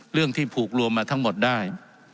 เรื่องที่ผูกรวมมาทั้งหมดได้